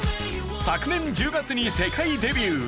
昨年１０月に世界デビュー。